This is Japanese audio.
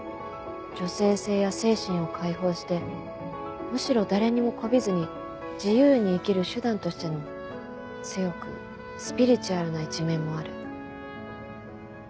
女性性や精神を解放してむしろ誰にも媚びずに自由に生きる手段としての強くスピリチュアルな一面もある。